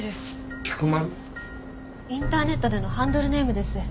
インターネットでのハンドルネームです。